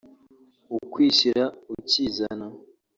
ukwishyira ukizana